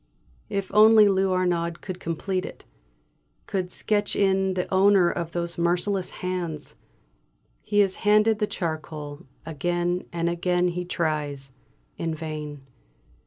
If only Lou Arnaud could complete it could sketch in the owner of those merciless hands. He is handed the charcoal; again and again he tries in vain.